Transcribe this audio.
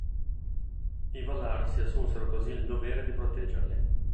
I Valar si assunsero così il dovere di proteggerli.